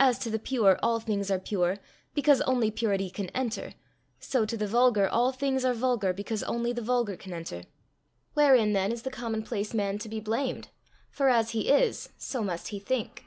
As to the pure all things are pure, because only purity can enter, so to the vulgar all things are vulgar, because only the vulgar can enter. Wherein then is the commonplace man to be blamed, for as he is, so must he think?